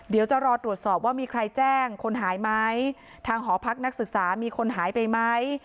เดี๋ยวจะรอตรวจสอบว่ามีใครแจ้งคนหายไหมทางหอพักนักศึกษามีคนหายไปไหม